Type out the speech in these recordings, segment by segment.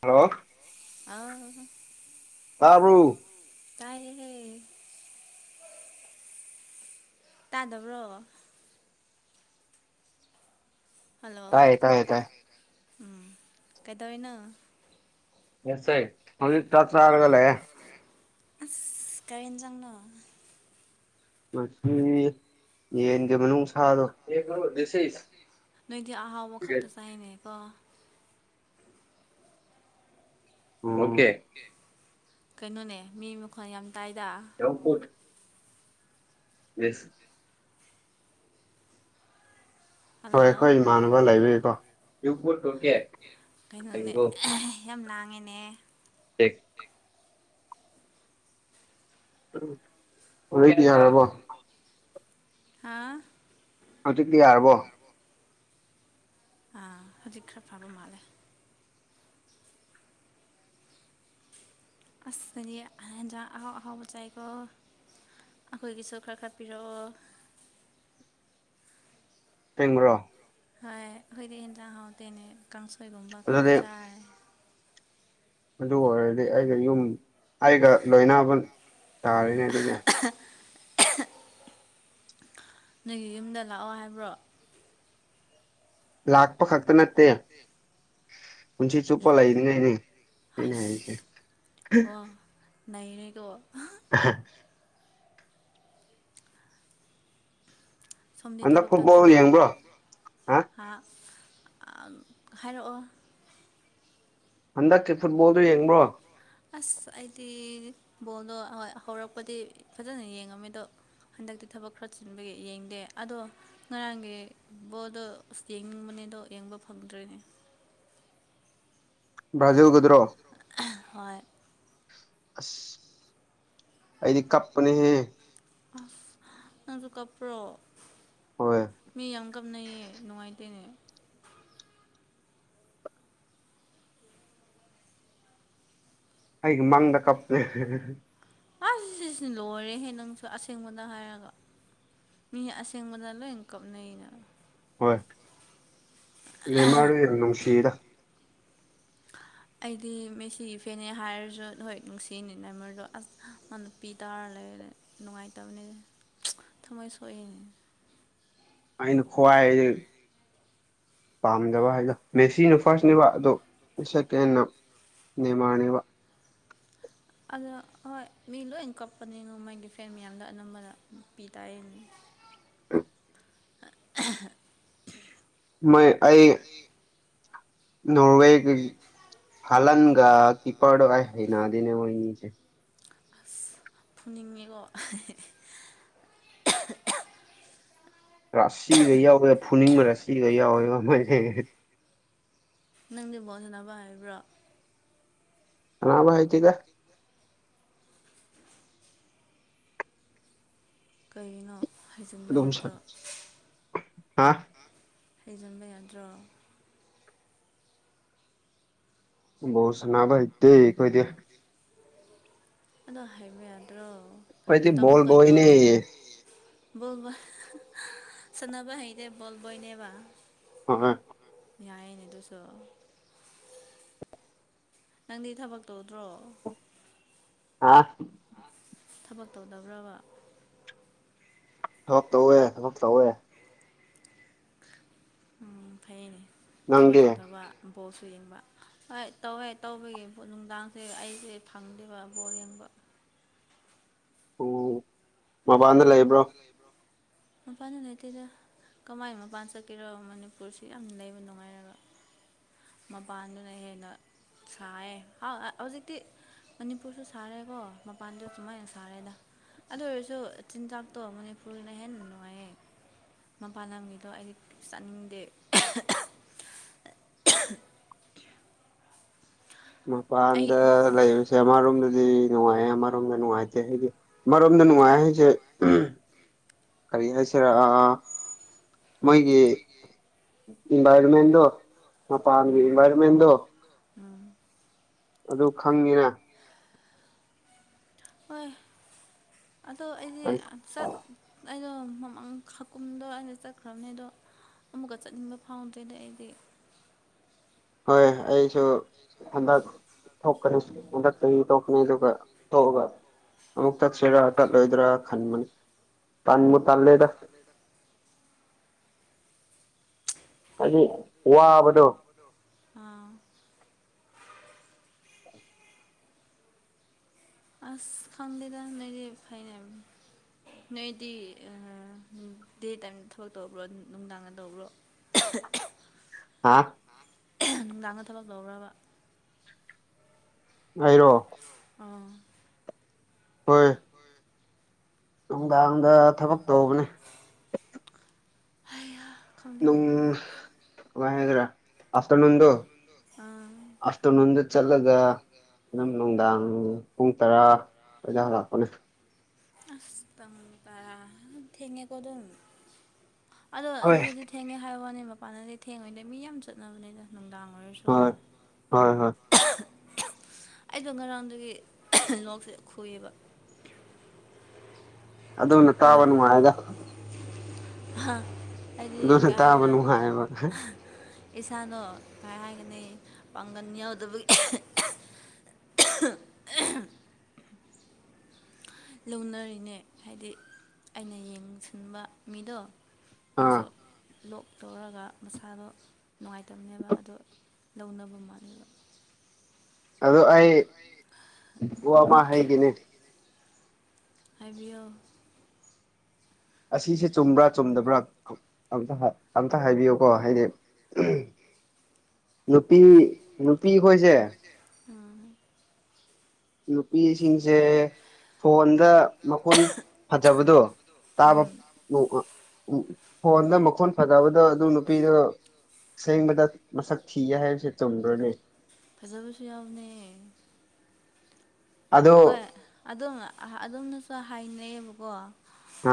hello ꯑ ꯇꯥꯕꯔꯨ ꯇꯥꯏꯍꯦ ꯇꯥꯗꯕ꯭ꯔꯣ ꯇꯥꯏꯌꯦ ꯇꯥꯏ ꯇꯥꯏ ꯎꯝ ꯀꯥꯏꯗꯩꯅ ꯌꯦꯁꯦ ꯍꯧ ꯇꯇ ꯍꯥꯏꯔꯒꯦ ꯑꯁ ꯀꯔꯦꯦꯟ ꯆꯪꯅ ꯃꯁꯤ ꯌꯦꯟꯒꯤ ꯃꯅꯨꯡ ꯁꯥꯗꯣ ꯅꯣꯏꯗꯤ ꯑꯍꯥꯎꯕ ꯈꯛꯇ ꯆꯥꯏꯅꯦ ꯀꯣ ꯑꯣꯀꯦ ꯀꯩꯅꯣꯅꯦ ꯃꯤ ꯃꯈꯣꯟ ꯌꯥꯝ ꯇꯥꯏꯗ ꯌꯦꯁ ꯍꯣꯏ ꯍꯜꯂꯣ ꯑꯩꯈꯣꯏ ꯏꯃꯥꯟꯅꯕ ꯂꯩꯕꯤꯀꯣ ꯀꯩꯅꯣꯅꯦ ꯌꯥꯝ ꯂꯥꯡꯉꯦꯅꯦ ꯑꯦ ꯎꯝ ꯍꯧꯖꯤꯣꯏꯗꯤ ꯌꯥꯔꯕꯣ ꯍꯥ ꯍꯧꯖꯤꯛꯇꯤ ꯌꯥꯔꯕꯣ ꯑꯥ ꯍꯧꯖꯤꯛ ꯈꯔ ꯐꯕ ꯃꯥꯜꯂꯦ ꯑꯁꯂꯤ ꯍꯥꯏ ꯑꯍꯥꯎ ꯑꯍꯥꯎ ꯃ ꯆꯥꯏꯀ ꯑꯩꯈꯣꯏꯒꯤꯁꯨ ꯈꯔ ꯈꯔꯄꯤꯔꯛꯑꯣ ꯇꯦꯡ꯭ꯔꯣ ꯍꯣꯏ ꯑꯩꯈꯣꯏꯗꯤ ꯍꯟꯗꯥꯛ ꯍꯥꯎꯇꯦꯅꯦ ꯀꯥꯡꯁꯣꯏꯒꯨꯝꯕ ꯈꯛꯇ ꯑꯗꯨꯗꯤ ꯆꯥꯔꯦ ꯑꯗꯨ ꯑꯣꯏꯔꯗꯤ ꯑꯩꯒ ꯌꯨꯝ ꯑꯩꯒ ꯂꯣꯏꯅꯕ ꯇꯥꯔꯤꯅꯦ ꯑꯗꯨꯅꯦ ꯅꯣꯏꯒꯤ ꯌꯨꯝꯗ ꯂꯥꯛꯑꯣ ꯍꯥꯏꯕ꯭ꯔꯣ ꯂꯥꯛꯄ ꯈꯛꯇ ꯅꯠꯇꯦ ꯄꯨꯟꯁꯤ ꯆꯨꯞꯄ ꯂꯩꯅꯤꯡꯉꯥꯏꯅꯦ ꯀꯩꯅ ꯍꯥꯏꯁꯦ ꯅꯩꯅꯅꯀꯣ [unintelligible] ꯁꯣꯝꯗꯤ ꯍꯟꯗꯛ ꯐꯨꯠꯕꯣꯜ ꯊꯕꯛꯛꯇꯠꯇ꯭ꯔꯣ ꯌꯦꯡꯕ꯭ꯔꯣ ꯍꯥ ꯍꯔꯛꯑꯣ ꯍꯟꯗꯛꯁꯦ ꯐꯨꯠꯕꯣꯜꯗꯨꯣ ꯌꯦꯡꯕ꯭ꯔꯣ ꯑꯁ ꯑꯩꯗꯤ ꯕꯣꯜꯗꯣ ꯍꯧꯔꯛꯄꯗꯤ ꯐꯖꯅ ꯌꯦꯡꯉꯝꯃꯦ ꯑꯗꯣ ꯍꯟꯗꯛꯇꯤ ꯊꯕꯛ ꯈꯔ ꯆꯤꯟꯕꯒꯤ ꯌꯦꯡꯗꯦ ꯑꯗꯣ ꯉꯔꯥꯡꯒꯤ ꯕꯣꯗꯣ ꯑꯁ ꯌꯦꯡꯅꯤꯡꯕꯅ ꯗꯣ ꯌꯦꯡꯕ ꯐꯪꯗ꯭ꯔꯦꯅꯦ [unintelligible] ꯕ꯭ꯔꯥꯖꯤꯜꯒꯨꯗꯔꯣ ꯍꯣꯏ ꯑꯁ ꯑꯩꯗꯤ ꯀꯞꯄꯅꯦꯍꯦ ꯑ ꯅꯪꯁꯨ ꯀꯄ꯭ꯔꯣ ꯍꯣꯏ ꯃꯤ ꯌꯥꯝ ꯀꯝꯅ ꯅꯨꯡꯉꯥꯏꯇꯦꯅꯦ ꯑꯩꯒꯤ ꯃꯥꯡꯗ ꯀꯞ ꯂꯩ ꯑꯁ ꯁꯤꯁꯤ ꯂꯣꯏꯔꯦꯍꯦ ꯅꯪꯁꯨ ꯑꯁꯦꯡꯕꯗ ꯍꯥꯏꯔꯒ ꯃꯤ ꯑꯁꯦꯡꯕꯅꯣ ꯏ ꯀꯅꯅꯣ ꯍꯣꯏ ꯂꯦꯃꯥꯔꯗꯨꯣ ꯌꯥꯝ ꯅꯨꯡꯁꯤꯌꯦꯗ ꯑꯩꯗꯤ ꯃꯦꯁꯤ ꯐꯦꯅꯦ ꯍꯥꯏꯔꯁꯨ ꯍꯣꯏ ꯅꯨꯡꯁꯤꯅꯤꯅ ꯃꯣꯏꯗꯣ ꯑꯁ ꯃꯥ ꯅꯨꯄꯤ ꯇꯥꯔ ꯂ ꯅꯨꯡꯉꯥꯏ ꯇꯝꯅꯦ ꯊꯃꯣꯏ ꯁꯣꯏꯅꯦ ꯑꯟ ꯈꯣꯋꯥꯏ ꯄꯥꯝꯗꯕ ꯍꯥꯏꯗ ꯃꯦꯁꯤꯅ ꯐꯥꯔꯁꯅꯦꯕ ꯑꯗꯣ ꯁꯦꯀꯦꯟꯅ ꯅ ꯃꯥꯅꯤ ꯋꯥ ꯑꯗꯣ ꯍꯣꯏ ꯃꯤ ꯂꯣꯏ ꯀꯛꯄꯅꯤ ꯅꯃꯣꯏꯒꯤ ꯐ꯭ꯔꯦꯟ ꯃꯌꯥꯝꯗ ꯑꯅꯝꯕꯅ ꯄꯤ ꯇꯥꯏꯅꯦ ꯑ [unintelligible] ꯃ ꯑꯑ ꯅꯣꯔꯋꯦ ꯐꯂꯒꯥ ꯀꯤꯄꯥꯔ ꯍꯥꯏꯅ ꯑꯗꯤꯅꯦ ꯑꯣꯏꯦ ꯑꯁ ꯐꯨꯅꯤꯡꯉꯦꯀꯣ ꯔꯁꯤ ꯀ ꯌꯥꯎꯋꯦ ꯐꯨꯅꯤꯡ ꯔꯁꯤ ꯀ ꯌꯥꯎꯋꯦ ꯃꯥꯏ ꯅꯪ ꯁꯥꯟꯅꯕ ꯍꯥꯏꯕ꯭ꯔꯥ ꯑꯃ ꯍꯥꯏꯥꯏꯇꯒ ꯀꯩꯅꯣ ꯍꯩꯖꯤꯟꯕ ꯌꯥꯗ꯭ꯔꯣ ꯋꯥ ꯍꯩꯖꯤꯟꯕ ꯌꯥꯗ꯭ꯔꯣ ꯣꯁꯅꯕꯥꯏꯗ ꯀꯗ ꯑꯗ ꯍꯩꯃꯦꯗ꯭ꯔꯣ ꯄꯩꯗꯤꯜꯕꯣꯏꯅꯦ ꯕꯣꯜꯕꯣꯏ ꯁꯥꯟꯅꯅꯕ ꯍꯥꯏꯩꯗꯦ ꯣꯜꯕꯣꯏꯅꯦꯕ ꯑ ꯌꯥꯏꯅꯦ ꯑꯗꯨꯁꯨ ꯅꯪꯗꯤ ꯊꯕꯛ ꯇꯧꯗ꯭ꯔꯣ ꯑ ꯊꯕꯛ ꯇꯧꯗꯕ꯭ꯔꯕ ꯊꯞꯛꯇ ꯑꯣꯏꯋꯦ ꯊꯞ ꯇ ꯑꯣꯏꯋꯦ ꯎꯝ ꯐꯩꯅꯦ ꯊꯕꯛ ꯅꯪꯗꯤ ꯁꯨ ꯇꯕ ꯕꯣꯜꯁꯨ ꯌꯦꯡꯕ ꯍꯣꯏ ꯇꯧꯋꯦ ꯇꯧꯕꯒꯤ ꯅꯨꯡꯗꯥꯡꯁꯦ ꯑꯩꯁꯦ ꯐꯪꯗꯦꯕ ꯕꯣꯜ ꯌꯦꯡꯕ ꯑꯣ ꯃꯄꯥꯟꯗ ꯂꯩꯕ꯭ꯔꯣ ꯑ ꯐꯅ ꯅꯦꯠꯇꯦꯗ ꯀꯃꯥꯏ ꯃꯄꯥꯟ ꯆꯠꯀꯔꯣ ꯃꯅꯤꯄꯨꯔꯁꯤ ꯌꯥꯝ ꯂꯩꯕ ꯅꯨꯡꯉꯥꯏꯔꯒ ꯃꯄꯥꯟꯗꯨꯅ ꯍꯦꯟꯅ ꯁꯥꯏ ꯍꯧꯖꯤꯛꯇꯤ ꯃꯅꯤꯄꯨꯔꯁꯨ ꯁꯥꯔꯦꯀꯣ ꯃꯄꯥꯟꯗꯦꯁꯃ ꯁꯥꯔꯦꯗ ꯑꯗꯨ ꯑꯣꯏꯔꯁꯨ ꯆꯤꯟꯖꯥꯛꯇꯣ ꯃꯅꯤꯄꯨꯔꯅ ꯍꯦꯟꯅ ꯉꯥꯏ ꯃꯄꯥꯟ ꯂꯝꯒꯤꯗꯣ ꯑꯩꯗꯤ ꯆꯥꯅꯤꯡꯗꯦ [inaudible] ꯑꯩ ꯃꯄꯥꯟꯗ ꯂꯩꯕꯁꯦ ꯑꯃꯔꯣꯝꯗꯗꯤ ꯑꯗꯨꯗꯤ ꯅꯨꯡꯉꯥꯏꯌꯦ ꯑꯃꯣꯝꯗ ꯅꯨꯡꯉꯥꯏꯇꯦ ꯍꯥꯏꯗꯤ ꯑꯃꯣꯝꯗ ꯅꯨꯡꯉꯥꯏ ꯍꯥꯏꯁꯦ ꯀꯅꯁꯔ ꯑꯥ ꯃꯣꯏꯒꯤ ꯏꯟꯚꯥꯏꯔꯣꯟꯃꯦꯟꯗꯣ ꯑ ꯄꯥꯥꯟꯕꯤ ꯎꯝ ꯃꯔꯔꯃꯦꯟꯗꯣ ꯎꯝ ꯑꯗꯨ ꯈꯪꯉꯤꯅ ꯍꯣꯏ ꯑꯗꯣ ꯑꯩꯗꯤ ꯆꯠ ꯑꯩꯗꯣ ꯃꯃꯥꯡ ꯍꯥꯀꯨꯝꯗꯣ ꯑꯩꯅ ꯆꯠꯈ꯭ꯔꯕꯅꯦ ꯑꯗꯣ ꯑꯃꯨꯛꯀ ꯆꯠꯅꯤꯡꯕ ꯐꯥꯎꯗ꯭ꯔꯦꯅꯦ ꯑꯩꯗꯤ ꯍꯣꯏ ꯑꯩꯁꯨ ꯍꯟꯗꯛ ꯊꯣꯛꯀꯅꯤ ꯍꯟꯗꯛꯇꯒꯤ ꯊꯣꯛꯀꯅꯤ ꯑꯗꯨꯒ ꯊꯣꯛꯑꯒ ꯑꯃꯨꯛꯛꯇꯥꯛ ꯁꯦꯔ ꯇ ꯂꯣꯏꯗꯔ ꯈꯥꯟ ꯃ ꯇꯥꯟ ꯃ ꯇꯂꯦꯗ ꯑꯗꯨ ꯋꯥꯕꯗꯣ ꯑꯥ ꯑꯁ ꯈꯪꯗꯦꯗ ꯅꯗꯤꯦ ꯐꯥꯏꯅ ꯅꯣꯏꯗꯤ ꯗꯦ ꯇꯥꯏꯝ ꯊꯕꯛ ꯇꯧꯕ꯭ꯔꯣ ꯅꯨꯡꯗꯥꯡꯒ ꯇꯧꯕ꯭ꯔꯣ ꯑ ꯅꯨꯡꯗꯥꯡꯗ ꯊꯕꯛ ꯂꯧꯔꯕ ꯑꯩꯔꯣ ꯑꯥ ꯍꯣꯏ ꯅꯨꯡꯗꯥꯡꯗ ꯊꯕꯛ ꯇꯧꯕꯅꯦ ꯍꯥꯏ ꯅꯪ ꯀꯥꯏ ꯍꯥꯏꯗ꯭ꯔꯥ ꯑꯥꯐꯇ꯭ꯔꯅꯨꯟꯗꯨ ꯑꯥ ꯑꯥꯐꯇ꯭ꯔꯅꯨꯟꯗ ꯆꯠꯂꯒ ꯑꯗꯨꯝ ꯅꯨꯡꯗꯥꯡ ꯎꯝ ꯄꯨꯡ ꯇꯔꯥ ꯂꯅ ꯂꯥꯛꯄꯅꯦ ꯑꯁꯄꯪꯕꯔ ꯊꯦꯡꯉꯦꯀ ꯑꯗꯨꯝ ꯑꯗꯣ ꯍꯣꯏ ꯁꯤꯗꯗꯤ ꯊꯦꯡꯉꯦ ꯍꯥꯏꯕ ꯋꯥꯅꯤ ꯃꯄꯥꯟꯅꯗꯤ ꯊꯦꯡꯉ‌ꯣꯏꯗ ꯃꯤ ꯌꯥꯝ ꯆꯠꯅꯕꯅꯤꯅ ꯅꯨꯡꯗꯥꯡ ꯑꯣꯏꯔꯁꯨꯀꯣ ꯍꯣꯏ ꯍꯣꯏ ꯍꯣꯏ ꯑꯩꯗꯣ ꯉꯔꯥꯡꯗꯒꯤ ꯂꯣꯛꯁꯦ ꯈꯨꯏꯌꯦꯕ ꯑꯗꯨꯅ ꯇꯥꯕ ꯅꯨꯡꯉꯥꯏ ꯌ‌ꯦꯗꯥ ꯍꯥ ꯑꯗꯨꯁ ꯇꯥꯕ ꯅꯨꯡꯉꯥꯏꯌꯦꯕ ꯏꯁꯥꯅꯣ ꯀꯃꯥꯏ ꯍꯥꯏꯒꯅꯤ ꯄꯥꯡꯒꯜ ꯌꯥꯎꯗꯕꯒꯤ [inaudible] ꯂꯧꯅꯔꯤꯅꯦ ꯍꯥꯏꯗꯤ ꯑꯩꯅ ꯌꯦꯡꯁꯤꯟꯕ ꯃꯤꯗꯣ ꯑꯥ ꯃꯥꯁꯨ ꯂꯣꯛ ꯇꯧꯔꯒ ꯃꯁꯥꯗꯣ ꯅꯨꯡꯉꯥꯏꯇꯕꯅꯦꯕ ꯑꯗꯨ ꯂꯧꯅꯕ ꯃꯥꯥꯟꯕ ꯑꯗꯨ ꯑꯩ ꯕꯃꯥ ꯍꯩꯏꯈꯤꯅꯤ ꯍꯥꯏ ꯕꯤꯌꯣ ꯑꯁꯤꯁꯦ ꯆꯨꯝꯕ꯭ꯔꯥ ꯆꯨꯝꯗꯕ꯭ꯔꯥ ꯑꯝꯇ ꯍꯥꯏꯕꯤꯌꯨꯀꯣ ꯍꯥꯏꯗꯤ ꯅꯨꯄꯤ ꯅꯨꯄꯤ ꯈꯣꯏꯁꯦ ꯎꯝ ꯅꯨꯄꯤꯁꯤꯡꯁꯦ ꯐꯣꯟꯗ ꯃꯈꯣꯟ ꯐꯖꯕꯗꯣ ꯇꯥꯕ ꯎꯝ ꯐꯣꯟꯗ ꯃꯈꯣꯟ ꯐꯗꯕꯗ ꯑꯗꯨ ꯅꯨꯄꯤꯗ ꯁꯦꯡꯕꯗ ꯃꯁꯛ ꯊꯤꯌꯦ ꯍꯥꯏꯕꯁꯦ ꯆꯨꯝꯕ꯭ꯔꯅꯦ ꯐꯖꯕꯁꯨ ꯌꯥꯎꯅꯦ ꯑꯗꯣ ꯍꯣꯏ ꯑꯗꯨꯝ ꯑꯗꯨꯝꯅꯁꯨ ꯍꯥꯏꯅꯩ ꯑꯌꯦꯕꯀꯣ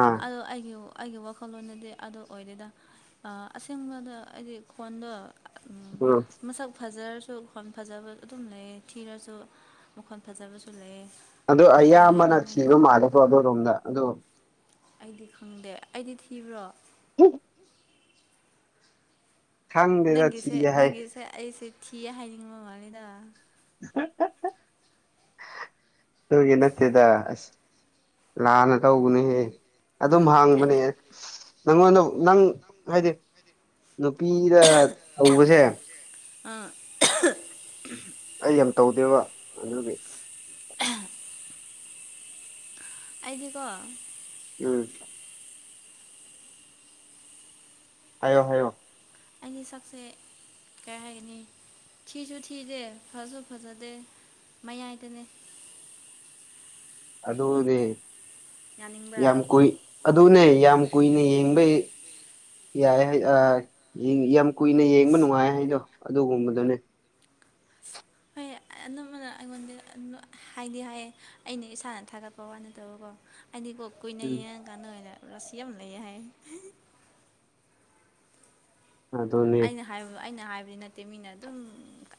ꯑꯥ ꯑꯗꯣ ꯑꯩꯒꯤ ꯑꯩꯒꯤ ꯋꯥꯈꯜꯂꯣꯟꯗꯗꯤ ꯑꯗꯨ ꯑꯣꯏꯗꯦꯗ ꯑꯁꯦꯡꯕꯗ ꯍꯥꯏꯗꯤ ꯈꯣꯟꯗꯣ ꯎꯝ ꯃꯁꯛ ꯐꯖꯔꯁ ꯁꯨ ꯃꯈꯣꯟ ꯐꯖꯕ ꯑꯗꯨꯝ ꯂꯩꯌꯦ ꯊꯤꯔꯁꯨ ꯃꯈꯣꯟ ꯐꯖꯕꯁꯨ ꯂꯩꯌꯦ ꯑꯗꯨ ꯀꯩ ꯑꯌꯥꯝꯕꯅ ꯍꯥꯏꯒꯅꯤ ꯊꯤꯕꯨ ꯃꯥꯜꯂꯀꯤ ꯑꯗꯨꯔꯣꯝꯗ ꯑꯗꯣ ꯑꯩꯗꯤ ꯈꯪꯗꯦ ꯑꯩꯗꯤ ꯊꯤꯕ꯭ꯔꯣ ꯍ ꯈꯪꯗꯦꯗ ꯅꯪꯒꯤꯁꯦ ꯊꯤꯌꯦ ꯍꯥꯏ ꯅꯪꯒꯤꯁꯦ ꯑꯩꯁꯦ ꯊꯤꯌꯦ ꯍꯥꯏꯅꯤꯡꯉ ꯃꯜꯅꯤꯗ [unintelligible] ꯇꯣꯏꯒꯤ ꯅꯠꯇꯦꯗ ꯑꯁ ꯂꯥꯟꯅ ꯇꯧꯕꯅꯦꯍꯦ ꯑꯗꯨꯝ ꯍꯥꯡꯕꯅꯦ ꯑꯩꯗꯤ ꯅꯪꯉꯣꯟꯗ ꯅꯪ ꯍꯥꯏꯗꯤ ꯄꯤꯔ ꯇꯧꯕꯁꯦ ꯑꯥ ꯑꯩ ꯌꯥꯝ ꯇꯧꯗꯦꯕ ꯑꯗꯨꯒꯤ ꯑꯩꯗꯤꯀꯣ ꯎꯝ ꯍꯥꯏꯌꫭ ꯍꯥꯏꯌꫭ ꯑꯩꯒꯤ ꯁꯛꯁꯦ ꯀꯩ ꯍꯥꯏꯒꯅꯤ ꯊꯤꯁꯨ ꯊꯤꯗꯦ ꯐꯁꯨ ꯐꯖꯗꯦ ꯃꯌꯥꯏꯗꯅꯦ [inaudible] ꯑꯗꯨꯅꯦ ꯌꯥꯅꯤꯡꯕ꯭ꯔꯥ ꯌꯥꯝ ꯀꯨꯏ ꯑꯗꯨꯅꯦ ꯌꯥꯝ ꯀꯨꯏꯅ ꯌꯦꯡꯕꯩ ꯌꯥꯔ‌ꯦ ꯍꯥꯏ ꯑ ꯌꯦꯡ ꯌꯥꯝ ꯀꯨꯏꯅ ꯌꯦꯡꯕ ꯅꯨꯡꯉꯥꯏ ꯍꯥꯏꯗꯣ ꯑꯗꯨꯒꯨꯝꯕꯗꯨꯅꯦ [inaudible] ꯑꯗꯨꯝꯕꯗ‌ꯣ ꯑꯩꯉꯣꯟꯗ ꯑ ꯑ ꯍꯥꯏꯗꯤ ꯍꯥꯏꯌꯦ ꯑꯩꯅ ꯏꯁꯥꯅ ꯊꯥꯒꯠꯄ ꯋꯥ ꯅꯠꯇꯕꯀꯣ ꯍꯥꯏꯗꯤꯀꯣ ꯀꯨꯏꯅ ꯎꯝ ꯌꯦꯡꯉꯀꯥꯟꯗ ꯑꯣꯏꯅ ꯔꯥꯁꯤ ꯌꯥꯝ ꯂꯩꯌ‌ꯦ ꯍꯥꯏꯌ‌ꯦ ꯑꯗꯨꯅꯤ ꯑꯩꯅ ꯍꯥꯏꯕ ꯑꯩꯅ ꯍꯥꯏꯕꯗꯤ ꯅꯠꯇꯦ ꯃꯤꯅ ꯑꯗꯨꯝ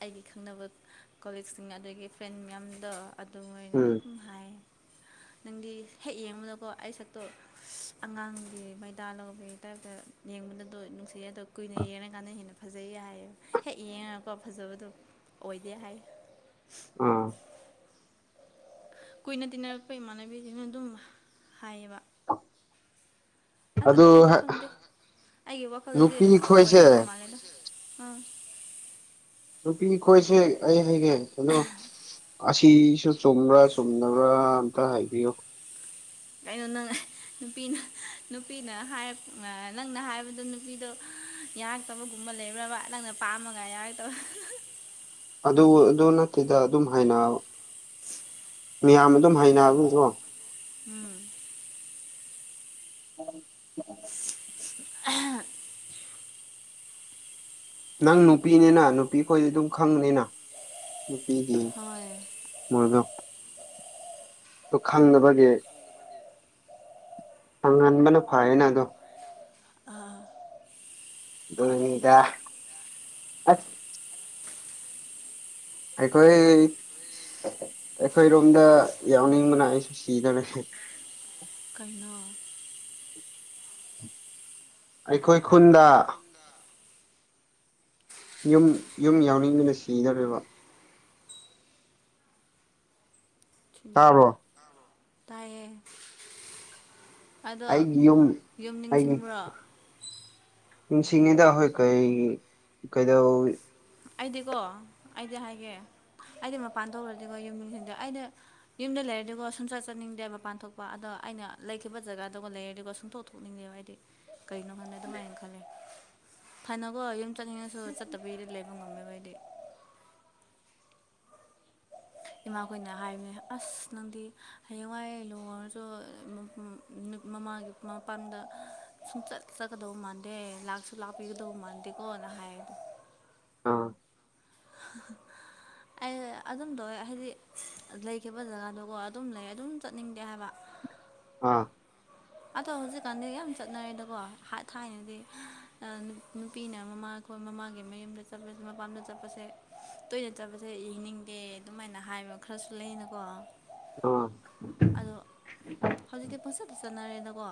ꯑꯩꯒꯤ ꯈꯪꯅꯕ ꯑ ꯀꯣꯂꯤꯛꯁꯤꯡ ꯑꯗꯒꯤ ꯐ꯭ꯔꯦꯟ ꯃꯌꯥꯝꯗ ꯑꯗꯨ ꯃ‌ꯣꯏꯅ ꯎꯝ ꯑꯗꯨꯝ ꯍꯥꯏ [inaudible] ꯅꯪꯒꯤ ꯍꯦꯛ ꯌꯦꯡꯕꯗꯀꯣ ꯑꯩ ꯁꯛꯇꯣ ꯑꯁ ꯑꯉꯥꯡꯒꯤ ꯃꯩꯗꯥ ꯂꯧꯕꯒꯤ ꯇꯥꯏꯞꯇ ꯅꯤ ꯌꯦꯡꯕꯗ ꯗꯨ ꯅꯨꯡꯁꯤꯌ‌ꯦ ꯑꯗ‌ꯣ ꯀꯨꯏꯅ ꯌ‌ꯦꯡꯉ ꯉꯀꯥꯟꯅ ꯍꯦꯟꯅ ꯐꯖꯩꯌꯦ ꯍꯥꯏꯌꯦ ꯍꯦꯛ ꯌꯦꯡꯉꯒꯀꯣ ꯐꯖꯕꯗꯣ ꯑꯣꯏꯗꯦ ꯍꯥꯏ ꯑꯥ ꯀꯨꯏꯅ ꯇꯤꯟꯅꯔꯛꯄ ꯏꯃꯥꯟꯅꯕꯤꯁꯤꯡꯅ ꯑꯗꯨꯝ ꯍꯥꯏꯌꯦꯕ ꯑ ꯑꯗꯨ ꯑꯩꯗꯤ ꯈꯪꯗꯦ ꯑꯩꯒꯤ ꯋꯥꯈꯜꯗꯗꯤ ꯅꯨꯄꯤ ꯑ ꯈꯣꯏꯁꯦ ꯑꯣꯏꯗꯕ ꯃꯥꯜꯂꯦꯗ ꯑꯥ [unintelligible] ꯅꯨꯄꯤ ꯈꯣꯏꯁꯦ ꯑꯩ ꯍꯥꯏꯒꯦ ꯀꯩꯅꯣ ꯑꯁꯤꯁꯨ ꯆꯨꯝꯕ꯭ꯔꯥ ꯆꯨꯝꯗꯕ꯭ꯔꯥ ꯑꯝꯇ ꯍꯥꯏꯕꯤꯌꯣ ꯀꯩꯅꯣ ꯅꯪ ꯅꯨꯄꯤꯅ ꯅꯨꯄꯤꯅ ꯍꯥꯏꯔꯛ ꯅꯪꯅ ꯍꯥꯏꯕꯗ ꯅꯨꯄꯤꯗꯣ ꯌꯥꯔꯛꯇꯕꯒꯨꯝꯕ ꯂꯩꯕ꯭ꯔꯕ ꯅꯪꯅ ꯄꯥꯝꯃꯒ ꯌꯥꯔꯛꯇꯕ ꯑꯗꯨ ꯑꯗꯨ ꯅꯠꯇ‌ꯦꯗ ꯑꯗꯨꯝ ꯍꯥꯏꯅ ꯃꯤꯌꯥꯝ ꯑꯗꯨꯝ ꯍꯩꯅꯕꯒꯤꯀꯣ ꯎꯝ [inaudible] ꯑꯍ‌ꯦ [unintelligible] ꯅꯪ ꯅꯨꯄꯤꯅꯤꯅ ꯅꯨꯄꯤꯈꯣꯏꯗꯤ ꯑꯗꯨꯝ ꯈꯪꯕꯅꯤꯅ ꯅꯨꯄꯤꯒꯤ ꯍꯣꯏ ꯃꯣꯏꯗꯣ ꯑꯗꯨ ꯈꯪꯗꯕꯒꯤ ꯐꯪꯍꯟꯕꯅ ꯐꯩꯌꯦꯅ ꯑꯗꯣ ꯑꯥ ꯑꯗꯨꯅꯤꯗ ꯑꯁ ꯑꯩꯈꯣꯏ ꯑꯩꯈꯣꯏꯔꯣꯝꯗ ꯌꯥꯎꯅꯤꯡꯕꯅ ꯑꯩꯁꯨ ꯁꯤꯗ‌ꯣꯔ‌ꯦ ꯅ‌ꯣ [unintelligible] ꯑꯩꯈꯣꯏ ꯈꯨꯟꯗ ꯌꯨꯝ ꯌꯨꯝ ꯌꯥꯎꯅꯤꯡꯗꯨꯅ ꯁꯤꯗ‌ꯣꯔꯦꯕ ꯊꯤꯟꯗꯧꯔꯦ ꯇꯥꯕ꯭ꯔꯣ ꯇꯥꯕꯔ‌ꯣ ꯇꯥꯏꯌꯦ [unintelligible] ꯑꯗꯣ ꯑꯩꯒꯤ ꯌꯨꯝ ꯌꯨꯝ ꯑꯩꯒꯤ ꯅꯤꯡꯁꯤꯡꯕ꯭ꯔꯣ ꯅꯤꯡꯁꯤꯡꯉꯤꯗ ꯍ‌ꯣꯏ ꯀꯩꯒꯤ ꯀꯩꯗꯧꯏ ꯑꯩꯗꯤꯀꯣ ꯑꯩꯗꯤ ꯍꯥꯏꯒꯦ ꯑꯩꯗꯤ ꯃꯄꯥꯟ ꯊꯣꯛꯔꯗꯤꯀꯣ ꯌꯨꯝ ꯅꯤꯡꯁꯤꯡꯗꯦ ꯑꯩꯩꯅ ꯌꯨꯝꯗ ꯂꯩꯔꯗꯤꯀꯣ ꯁꯨꯡꯆꯠ ꯆꯠꯅꯤꯡꯗꯦ ꯃꯄꯥꯟ ꯊꯣꯛꯄ ꯑꯗꯣ ꯑꯩꯅ ꯂꯩꯈꯤꯕ ꯖꯒꯥꯗꯨꯒ ꯂꯩꯔꯗꯤꯀ‌ꯣ ꯁꯨꯡꯊ‌ꯣꯛ ꯊꯣꯛꯅꯤꯡꯗ‌ꯦꯕ ꯍꯥꯏꯗꯤ ꯀꯩꯅꯣ ꯈꯪꯗꯦ [unintelligible] ꯗꯦ ꯑꯗꯨꯃꯥꯏꯅ ꯈꯜꯂꯦ ꯐꯅꯀꯣ ꯌꯨꯝ ꯆꯠꯅꯤꯡꯉꯁꯨ ꯆꯠꯇꯕꯤꯗ ꯂꯩ ꯕ ꯉꯝꯃꯦꯕ ꯑꯩꯗꯤ ꯏꯃꯥꯈꯣꯏꯅ ꯍꯥꯏꯕꯅꯦ ꯑꯁ ꯅꯪꯗꯤ ꯍꯌꯦꯡꯋꯥꯏ ꯂꯨꯍ‌ꯣꯡꯔꯁꯨ ꯎꯝ ꯎꯝ ꯎꯝ ꯃꯃꯥꯒꯤ ꯃꯄꯥꯝꯗ ꯁꯨꯡ ꯆꯠ ꯆꯠꯀꯗꯧꯕ ꯃꯥꯟꯗꯦ ꯂꯥꯛꯁꯨ ꯂꯥꯛꯄꯤꯒꯗꯧꯕ ꯃꯥꯟꯗꯦꯀꯣ ꯑꯅ ꯍꯥꯏ ꯑꯥ [inaudible] ꯑꯩ ꯑꯗꯨꯝ ꯇꯧꯋ‌ꯦ ꯍꯥꯏꯗꯤ ꯂꯩꯈꯤꯕ ꯖꯒꯥꯗꯀ‌ꯣ ꯑꯗꯨꯝ ꯂꯩ ꯑꯗꯨꯝ ꯆꯠꯅꯤꯡꯗꯦ ꯍꯥꯏꯕ ꯑꯥ ꯑꯗꯣ ꯍꯧꯖꯤꯛꯀꯥꯟꯗꯤ ꯌꯥꯝ ꯆꯠꯅꯔꯦꯗꯀꯣ ꯍꯥꯟ ꯊꯥꯏꯅꯗꯤ ꯑꯥ ꯅꯨꯄꯤꯅ ꯃꯃꯥ ꯈꯣꯏ ꯃꯃꯥꯒꯤ ꯃꯌꯨꯝꯗ ꯆꯠꯄꯁꯦ ꯃꯄꯥꯝꯗ ꯆꯠꯄꯁꯦ ꯇꯣꯏꯅ ꯆꯠꯄꯁꯦ ꯌ‌ꯦꯡꯅꯤꯡꯗꯦ ꯑꯗꯨꯃꯥꯏꯅ ꯍꯥꯏꯕ ꯈꯔꯁꯨ ꯂꯩꯌ‌ꯦꯅꯀꯣ ꯑꯥ ꯥꯟꯅꯔꯦꯗꯀꯣ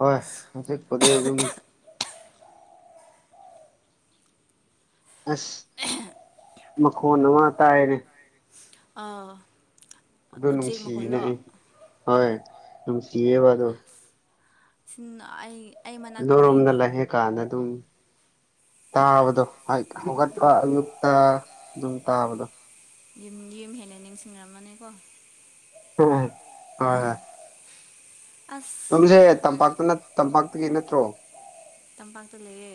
ꯍꯣꯏ ꯍꯧꯖꯤꯛꯄꯨꯗꯤ ꯑꯗꯨꯝ ꯑꯁ ꯃꯈꯣꯟ ꯑꯃ ꯇꯥꯏꯔꯦ ꯑꯥ ꯑꯗꯨ ꯎꯆꯦꯛ ꯅꯨꯡꯁꯤꯌꯦꯅꯦ ꯃꯈꯣꯜꯂꯣ ꯑꯩ ꯍꯣꯏ ꯅꯨꯡꯁꯤꯌꯦꯕꯗꯣ ꯁꯤ ꯑꯩ ꯑꯩ ꯃꯅꯥꯛꯇ ꯑꯗꯨꯔꯣꯝꯗ ꯂꯩꯅꯦ ꯂꯩꯑꯦ ꯀꯥꯟꯗ ꯑꯗꯨꯝ ꯇꯥꯕꯗꯣ ꯍ ꯍꯧꯒꯠꯄꯌꯛꯇ ꯑꯗꯨꯝ ꯇꯥꯕꯗꯣ ꯌꯨꯝ ꯌꯨꯝ ꯍꯦꯟꯅ ꯅꯤꯡꯁꯤꯡꯉꯝꯃꯅꯤꯀꯣ ꯍ ꯀ ꯑꯁ ꯅꯝꯁꯦ ꯇꯝꯄꯥꯛꯇ ꯇꯝꯄꯥꯛꯇꯒꯤ ꯅꯠꯇ꯭ꯔꯣ ꯇꯝꯄꯥꯛꯇ ꯂꯩꯔꯦ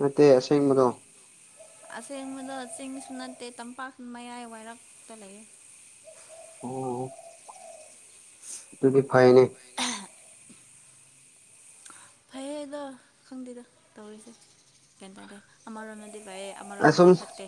ꯅꯠꯇꯦ ꯑꯁꯦꯡꯕꯗꯣ ꯑꯁꯦ ꯃꯗꯨ ꯃꯤ ꯁꯅ ꯇ ꯄꯥꯛ ꯃꯌꯥꯏ ꯋꯥꯏꯔꯛꯇ ꯂꯩꯌ ꯑꯣ ꯇꯗꯤ ꯐꯥꯏꯅꯦ ꯐꯩꯌꯦꯗꯣ ꯈꯪꯗꯦꯗ ꯇꯧꯔꯤꯁꯦ ꯀꯩꯇꯥꯗꯦ ꯑꯃꯔꯣꯝꯗꯗꯤ ꯥꯏ ꯑꯁꯨꯝ ꯑꯃꯔꯣꯝꯗꯤ ꯐꯠꯇꯦ